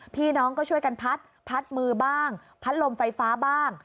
พี่น้องก็ช่วยกันพัดพัดมือบ้างพัดลมไฟฟ้าบ้าง